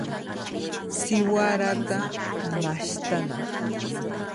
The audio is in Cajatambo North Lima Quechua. Siwarata mashtanaq.